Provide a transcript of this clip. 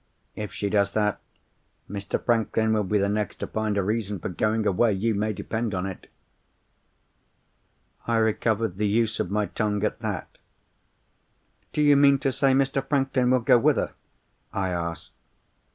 If she does that, Mr. Franklin will be the next to find a reason for going away, you may depend on it!' "I recovered the use of my tongue at that. 'Do you mean to say Mr. Franklin will go with her?' I asked.